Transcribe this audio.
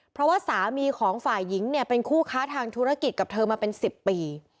เพราะว่าสามีของฝ่ายหญิงเนี่ยเป็นคู่ค้าทางธุรกิจกับเธอมาเป็น๑๐ปี